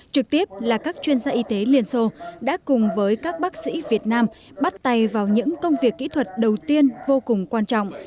trực tiếp là các chuyên gia y tế liên xô đã cùng với các bác sĩ việt nam bắt tay vào những công việc kỹ thuật đầu tiên vô cùng quan trọng